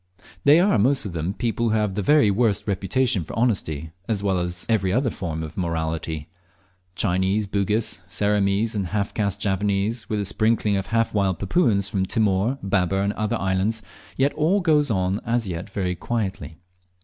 They are most of them people who have the very worst reputation for honesty as well as every other form of morality, Chinese, Bugis, Ceramese, and half caste Javanese, with a sprinkling of half wild Papuans from Timor, Babber, and other islands, yet all goes on as yet very quietly.